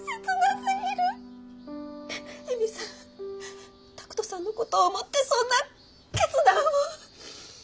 恵美さん拓門さんのことを思ってそんな決断を！